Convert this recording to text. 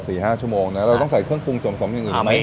ห้าชั่วโมงนะเราต้องใส่เครื่องปรุงส่วนสมอย่างอื่นไหม